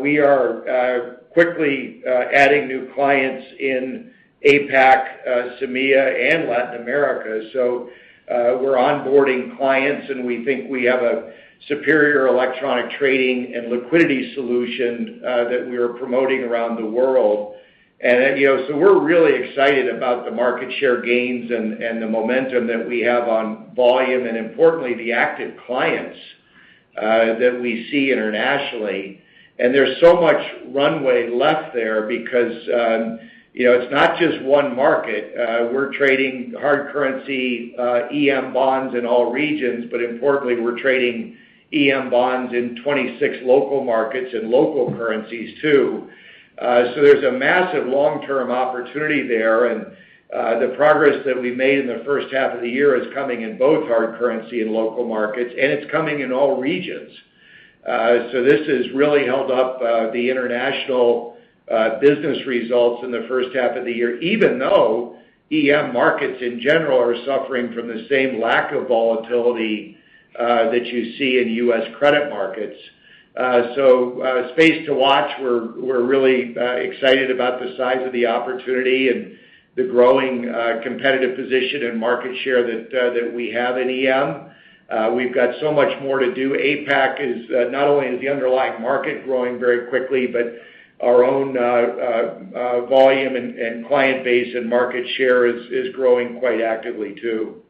we are quickly adding new clients in APAC, CEEMEA, and Latin America. We're onboarding clients, and we think we have a superior electronic trading and liquidity solution that we're promoting around the world. We're really excited about the market share gains and the momentum that we have on volume, and importantly, the active clients that we see internationally. There's so much runway left there because it's not just one market. We're trading hard currency EM bonds in all regions, but importantly, we're trading EM bonds in 26 local markets and local currencies too. There's a massive long-term opportunity there, and the progress that we've made in the first half of the year is coming in both hard currency and local markets, and it's coming in all regions. This has really held up the international business results in the first half of the year, even though EM markets in general are suffering from the same lack of volatility that you see in U.S. credit markets. Space to watch. We're really excited about the size of the opportunity and the growing competitive position and market share that we have in EM. We've got so much more to do. Not only is the underlying market growing very quickly, but our own volume and client base and market share is growing quite actively too.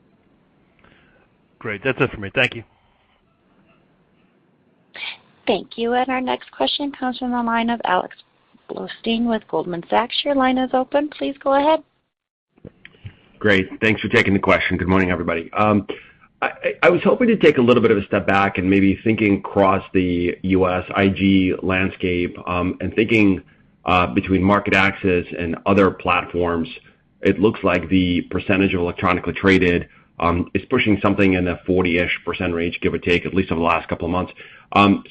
Great. That's it for me. Thank you. Thank you. Our next question comes from the line of Alex Blostein with Goldman Sachs. Your line is open. Please go ahead. Great. Thanks for taking the question. Good morning, everybody. I was hoping to take a little bit of a step back and maybe thinking across the U.S. IG landscape, and thinking between MarketAxess and other platforms. It looks like the percentage of electronically traded is pushing something in the 40% range, give or take, at least over the last couple of months. Can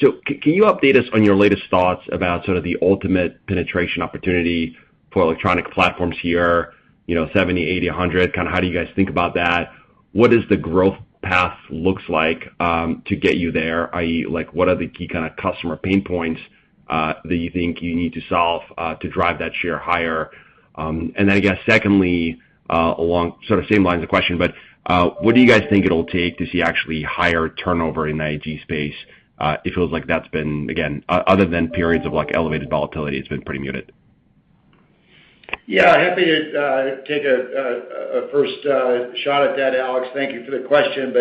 you update us on your latest thoughts about sort of the ultimate penetration opportunity for electronic platforms here, 70%, 80%, 100%, kind of how do you guys think about that? What is the growth path looks like to get you there, i.e., what are the key kind of customer pain points that you think you need to solve to drive that share higher? I guess secondly, along sort of same lines of question, what do you guys think it'll take to see actually higher turnover in the IG space? It feels like that's been, again, other than periods of elevated volatility, it's been pretty muted. Yeah, happy to take a first shot at that, Alex. Thank you for the question.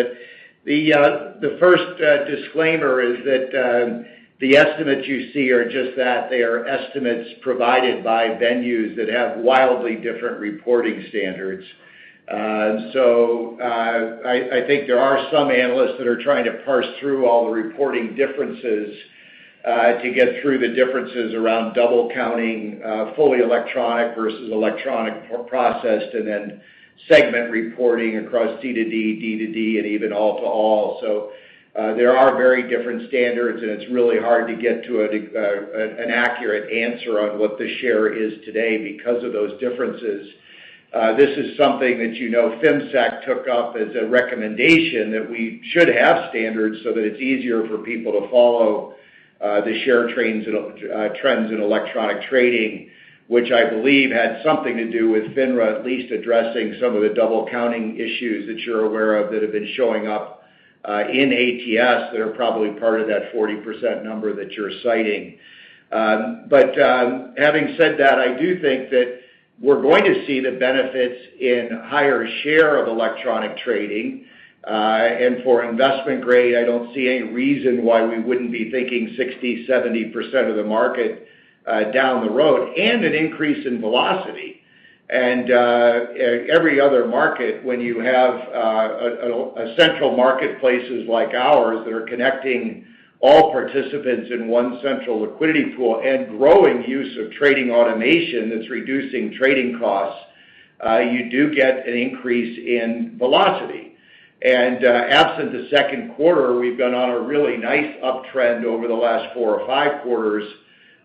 The first disclaimer is that the estimates you see are just that. They are estimates provided by venues that have wildly different reporting standards. I think there are some analysts that are trying to parse through all the reporting differences to get through the differences around double counting fully electronic versus electronic processed and then segment reporting across C to D to D, and even all to all. There are very different standards, and it's really hard to get to an accurate answer on what the share is today because of those differences. This is something that you know FIMSAC took up as a recommendation that we should have standards so that it's easier for people to follow the share trends in electronic trading, which I believe had something to do with FINRA at least addressing some of the double counting issues that you're aware of that have been showing up in ATS that are probably part of that 40% number that you're citing. Having said that, I do think that we're going to see the benefits in higher share of electronic trading. For investment grade, I don't see any reason why we wouldn't be thinking 60%-70% of the market down the road and an increase in velocity. Every other market, when you have a central marketplaces like ours that are connecting all participants in one central liquidity pool and growing use of trading automation that's reducing trading costs, you do get an increase in velocity. Absent to second quarter, we've been on a really nice uptrend over the last four or five quarters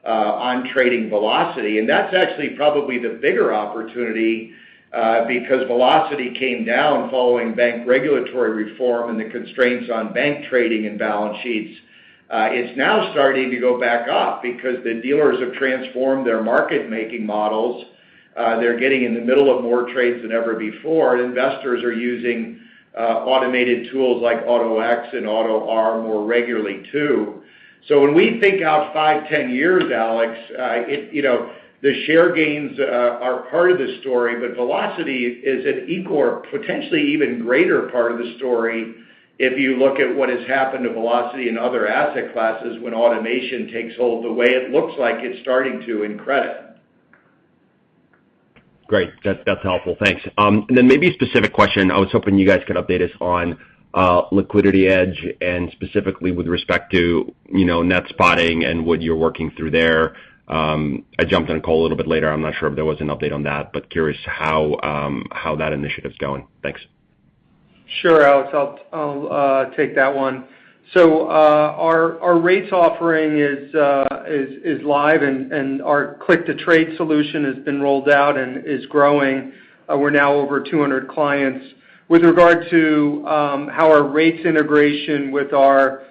on trading velocity. That's actually probably the bigger opportunity because velocity came down following bank regulatory reform and the constraints on bank trading and balance sheets. It's now starting to go back up because the dealers have transformed their market-making models. They're getting in the middle of more trades than ever before. Investors are using automated tools like Auto-X and AutoR more regularly, too. When we think out five, 10 years, Alex, the share gains are part of the story, but velocity is an equal or potentially even greater part of the story if you look at what has happened to velocity in other asset classes when automation takes hold the way it looks like it's starting to in credit. Great. That's helpful. Thanks. Then maybe a specific question. I was hoping you guys could update us on LiquidityEdge and specifically with respect to net spotting and what you're working through there. I jumped on a call a little bit later. I'm not sure if there was an update on that. Curious how that initiative's going. Thanks. Sure, Alex. I'll take that one. Our rates offering is live, and our click-to-trade solution has been rolled out and is growing. We're now over 200 clients. With regard to how our rates integration with our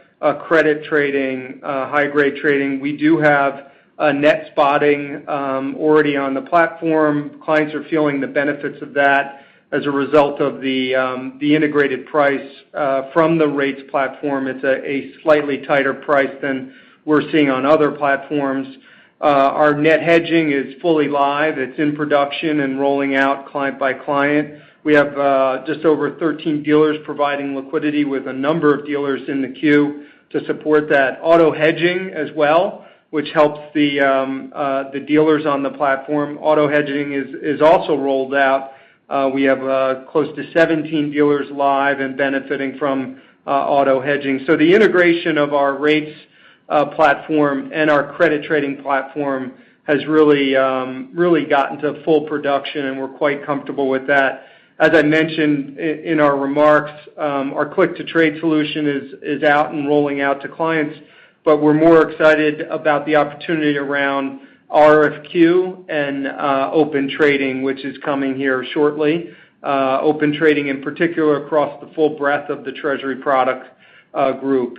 credit trading, high grade trading, we do have a net spotting already on the platform. Clients are feeling the benefits of that as a result of the integrated price from the rates platform. It's a slightly tighter price than we're seeing on other platforms. Our net hedging is fully live. It's in production and rolling out client by client. We have just over 13 dealers providing liquidity with a number of dealers in the queue to support that auto hedging as well, which helps the dealers on the platform. Auto hedging is also rolled out. We have close to 17 dealers live and benefiting from auto hedging. The integration of our rates platform and our credit trading platform has really gotten to full production, and we're quite comfortable with that. As I mentioned in our remarks, our click-to-trade solution is out and rolling out to clients, but we're more excited about the opportunity around RFQ and Open Trading, which is coming here shortly. Open Trading, in particular, across the full breadth of the Treasury product group,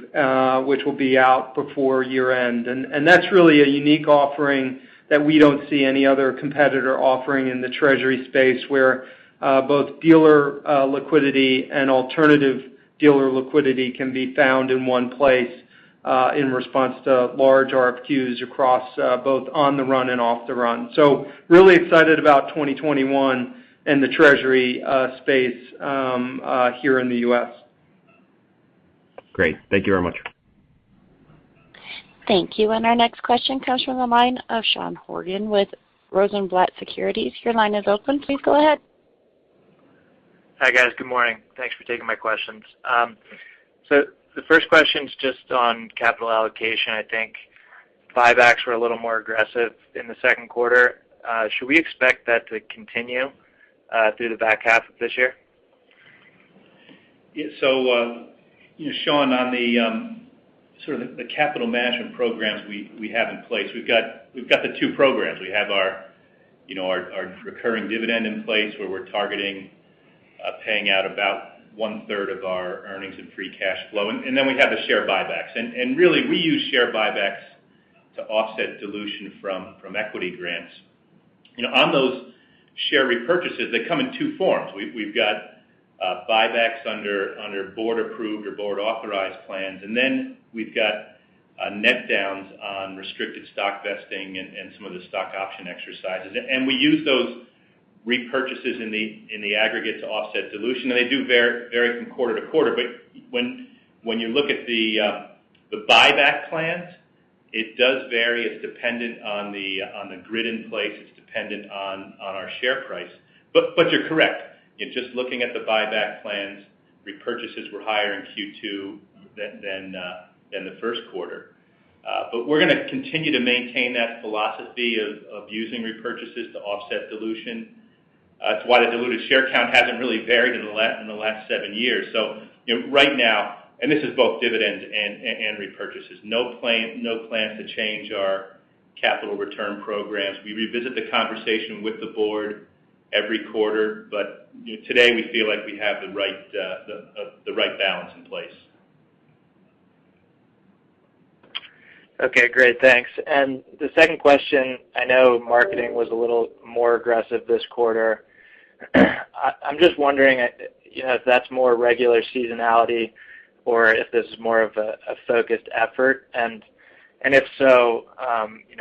which will be out before year-end. That's really a unique offering that we don't see any other competitor offering in the Treasury space, where both dealer liquidity and alternative dealer liquidity can be found in one place in response to large RFQs across both on the run and off the run. Really excited about 2021 and the Treasury space here in the U.S. Great. Thank you very much. Thank you. Our next question comes from the line of Sean Horgan with Rosenblatt Securities. Your line is open. Please go ahead. Hi, guys. Good morning. Thanks for taking my questions. The first question's just on capital allocation. I think buybacks were a little more aggressive in the second quarter. Should we expect that to continue through the back half of this year? Sean, on the capital management programs we have in place, we've got the two programs. We have our recurring dividend in place where we're targeting paying out about 1/3 of our earnings and free cash flow. We have the share buybacks. Really, we use share buybacks to offset dilution from equity grants. On those share repurchases, they come in two forms. We've got buybacks under board-approved or board-authorized plans, and then we've got net downs on restricted stock vesting and some of the stock option exercises. We use those repurchases in the aggregate to offset dilution, and they do vary from quarter-to-quarter. When you look at the buyback plans, it does vary. It's dependent on the grid in place. It's dependent on our share price. You're correct. Just looking at the buyback plans, repurchases were higher in Q2 than the first quarter. We're going to continue to maintain that philosophy of using repurchases to offset dilution. That's why the diluted share count hasn't really varied in the last seven years. Right now, and this is both dividends and repurchases, no plans to change our capital return programs. We revisit the conversation with the board every quarter, but today we feel like we have the right balance in place. Okay, great. Thanks. The second question, I know marketing was a little more aggressive this quarter. I'm just wondering if that's more regular seasonality or if this is more of a focused effort. If so,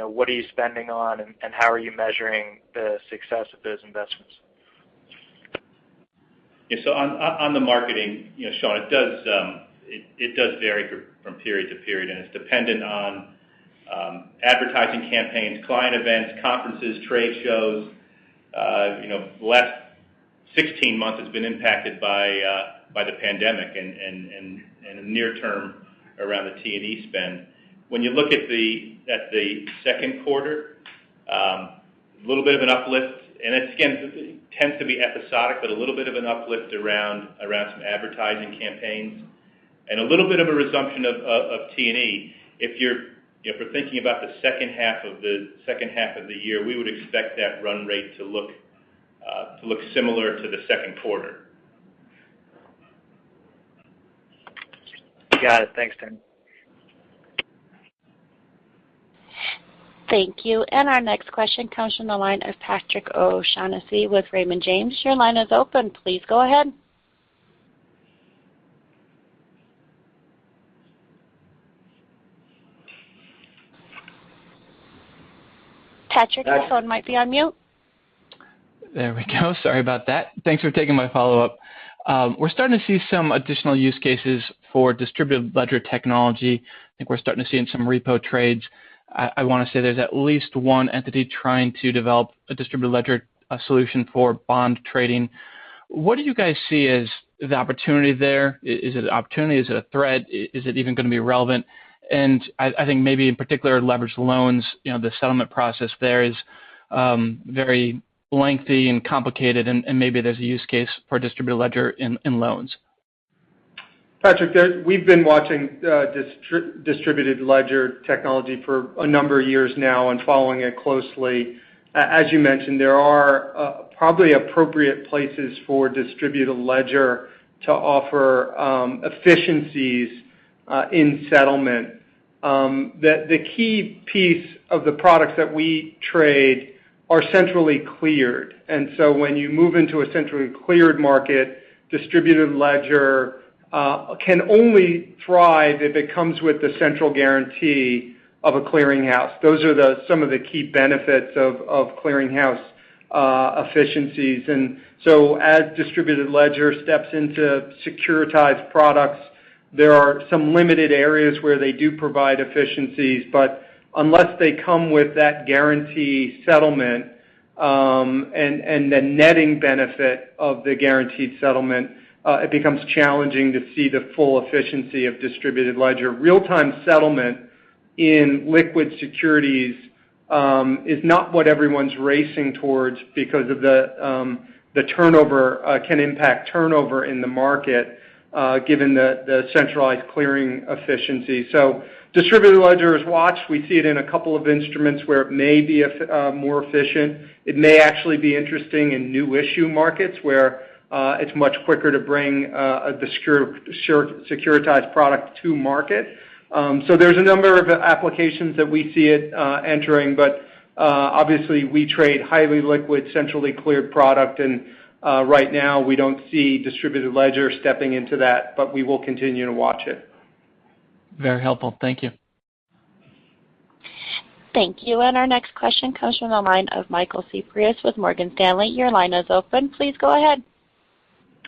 what are you spending on, and how are you measuring the success of those investments? On the marketing, Sean, it does vary from period to period, and it's dependent on advertising campaigns, client events, conferences, trade shows. Last 16 months has been impacted by the pandemic and the near term around the T&E spend. When you look at the second quarter, a little bit of an uplift, and it, again, tends to be episodic, but a little bit of an uplift around some advertising campaigns and a little bit of a resumption of T&E. If we're thinking about the second half of the year, we would expect that run rate to look similar to the second quarter. Got it. Thanks, Tony. Thank you. Our next question comes from the line of Patrick O'Shaughnessy with Raymond James. Your line is open. Please go ahead. Patrick, your phone might be on mute. There we go. Sorry about that. Thanks for taking my follow-up. We're starting to see some additional use cases for distributed ledger technology. I think we're starting to see it in some repo trades. I want to say there's at least one entity trying to develop a distributed ledger solution for bond trading. What do you guys see as the opportunity there? Is it an opportunity? Is it a threat? Is it even going to be relevant? I think maybe in particular, leveraged loans, the settlement process there is very lengthy and complicated, and maybe there's a use case for distributed ledger in loans. Patrick, we've been watching distributed ledger technology for a number of years now and following it closely. As you mentioned, there are probably appropriate places for distributed ledger to offer efficiencies in settlement. The key piece of the products that we trade are centrally cleared. When you move into a centrally cleared market, distributed ledger can only thrive if it comes with the central guarantee of a clearing house. Those are some of the key benefits of clearing house efficiencies. As distributed ledger steps into securitized products, there are some limited areas where they do provide efficiencies. Unless they come with that guarantee settlement and the netting benefit of the guaranteed settlement, it becomes challenging to see the full efficiency of distributed ledger. Real-time settlement In liquid securities is not what everyone's racing towards because of the turnover can impact turnover in the market, given the centralized clearing efficiency. Distributed ledger is watched. We see it in a couple of instruments where it may be more efficient. It may actually be interesting in new issue markets, where it's much quicker to bring the securitized product to market. There's a number of applications that we see it entering, but obviously, we trade highly liquid, centrally cleared product, and right now, we don't see distributed ledger stepping into that, but we will continue to watch it. Very helpful. Thank you. Thank you. Our next question comes from the line of Michael Cyprys with Morgan Stanley. Your line is open. Please go ahead.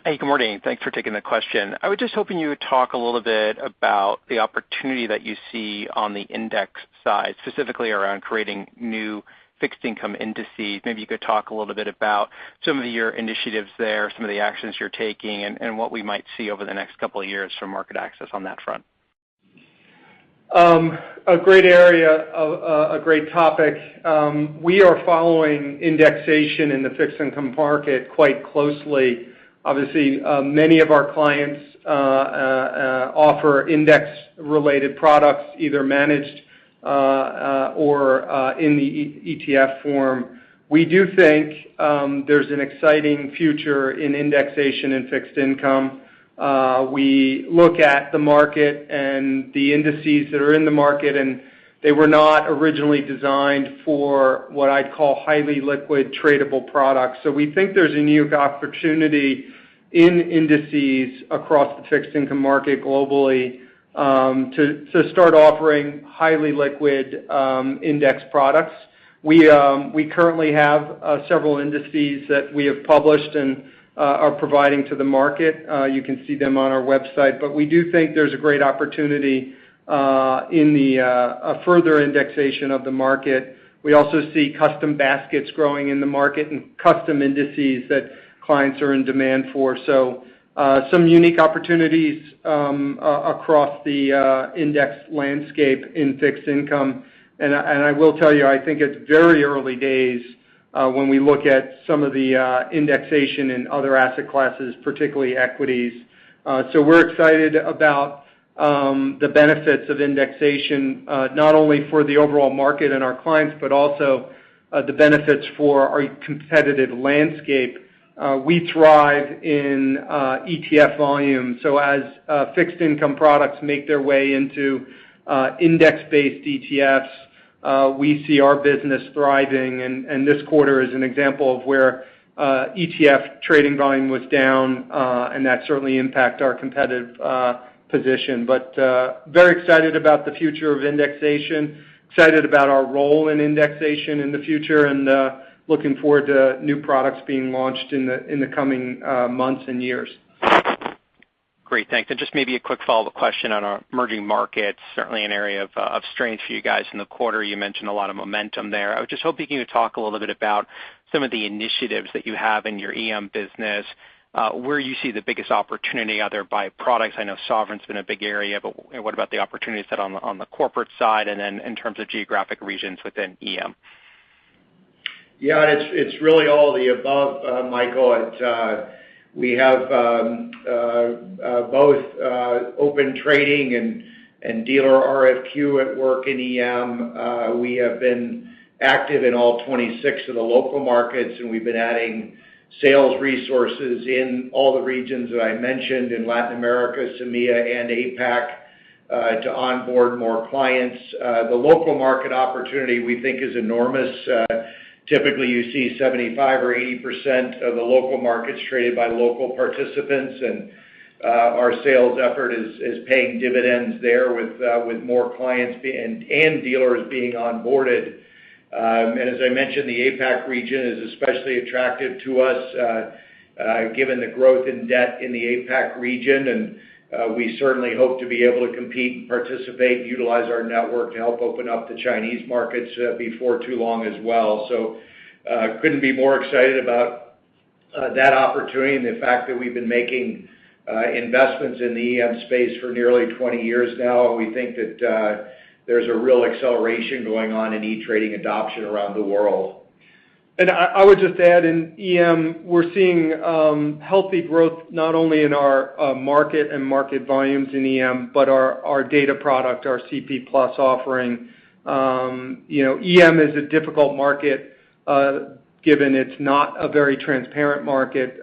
Hey, good morning. Thanks for taking the question. I was just hoping you would talk a little bit about the opportunity that you see on the index side, specifically around creating new fixed income indices. Maybe you could talk a little bit about some of your initiatives there, some of the actions you're taking, and what we might see over the next couple of years from MarketAxess on that front. A great area, a great topic. We are following indexation in the fixed income market quite closely. Obviously, many of our clients offer index-related products, either managed or in the ETF form. We do think there's an exciting future in indexation and fixed income. We look at the market and the indices that are in the market, and they were not originally designed for what I'd call highly liquid tradable products. We think there's a unique opportunity in indices across the fixed income market globally to start offering highly liquid index products. We currently have several indices that we have published and are providing to the market. You can see them on our website. We do think there's a great opportunity in the further indexation of the market. We also see custom baskets growing in the market and custom indices that clients are in demand for. Some unique opportunities across the index landscape in fixed income. I will tell you, I think it's very early days when we look at some of the indexation in other asset classes, particularly equities. We're excited about the benefits of indexation, not only for the overall market and our clients, but also the benefits for our competitive landscape. We thrive in ETF volume, so as fixed income products make their way into index-based ETFs, we see our business thriving, and this quarter is an example of where ETF trading volume was down, and that certainly impact our competitive position. Very excited about the future of indexation, excited about our role in indexation in the future, and looking forward to new products being launched in the coming months and years. Great, thanks. Just maybe a quick follow-up question on emerging markets, certainly an area of strength for you guys in the quarter. You mentioned a lot of momentum there. I was just hoping you would talk a little bit about some of the initiatives that you have in your EM business, where you see the biggest opportunity out there by products. I know sovereign's been a big area, what about the opportunities set on the corporate side, and then in terms of geographic regions within EM? Yeah, it's really all the above, Michael. We have both Open Trading and dealer RFQ at work in EM. We have been active in all 26 of the local markets, and we've been adding sales resources in all the regions that I mentioned, in Latin America, CEEMEA, and APAC, to onboard more clients. The local market opportunity, we think, is enormous. Typically, you see 75% or 80% of the local markets traded by local participants, and our sales effort is paying dividends there with more clients and dealers being onboarded. As I mentioned, the APAC region is especially attractive to us, given the growth in debt in the APAC region, and we certainly hope to be able to compete and participate and utilize our network to help open up the Chinese markets before too long as well. couldn't be more excited about that opportunity and the fact that we've been making investments in the EM space for nearly 20 years now. We think that there's a real acceleration going on in e-trading adoption around the world. I would just add, in EM, we're seeing healthy growth not only in our market and market volumes in EM, but our data product, our CP+ offering. EM is a difficult market, given it's not a very transparent market.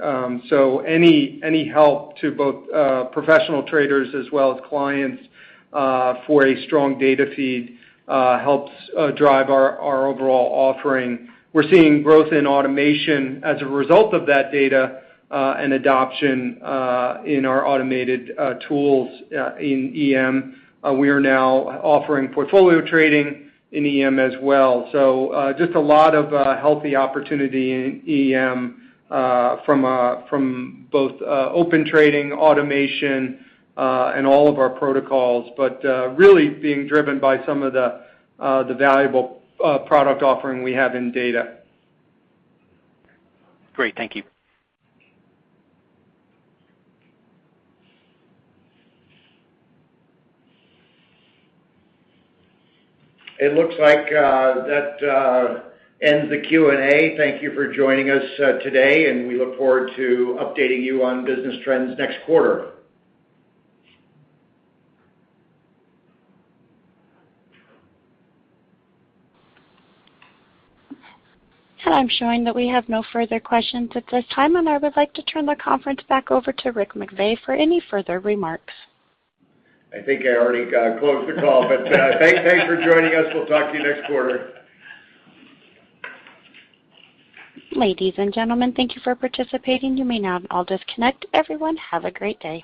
Any help to both professional traders as well as clients for a strong data feed helps drive our overall offering. We're seeing growth in automation as a result of that data and adoption in our automated tools in EM. We are now offering portfolio trading in EM as well. Just a lot of healthy opportunity in EM, from both Open Trading, automation, and all of our protocols, but really being driven by some of the valuable product offering we have in data. Great. Thank you. It looks like that ends the Q&A. Thank you for joining us today, and we look forward to updating you on business trends next quarter. I'm showing that we have no further questions at this time, and I would like to turn the conference back over to Rick McVey for any further remarks. I think I already closed the call, but thanks for joining us. We'll talk to you next quarter. Ladies and gentlemen, thank you for participating. You may now all disconnect. Everyone, have a great day.